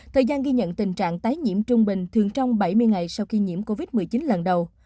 thời gian ghi nhận tình trạng tái nhiễm trung bình thường trong bảy mươi ngày sau khi nhiễm covid một mươi chín lần đầu